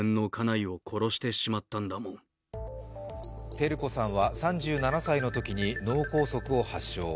照子さんは３７歳のときに脳梗塞を発症。